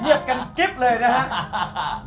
เงียบกันกริ๊บเลยนะฮะ